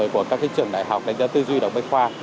của các trường đại học đánh giá tư duy đồng bách khoa